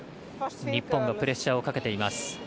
日本がプレッシャーをかけています。